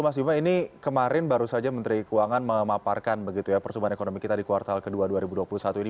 mas bima ini kemarin baru saja menteri keuangan memaparkan begitu ya pertumbuhan ekonomi kita di kuartal ke dua dua ribu dua puluh satu ini